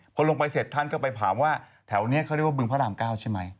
พอลงไปเสร็จท่านก็ไปถามว่าแถวนี้เขาเรียกว่าบึงพระราม๙ใช่ไหม